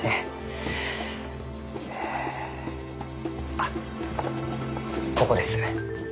あっここです。